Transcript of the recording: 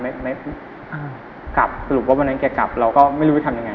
ไม่อ่ากลับสรุปว่าวันนั้นแกกลับเราก็ไม่รู้ไปทำยังไง